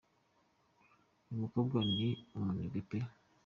Uyu mukobwa ni umunebwe pe!